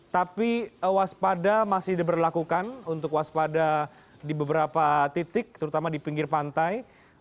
tapi waspada masih diberlakukan untuk waspada di beberapa titik terutama di pinggir pantai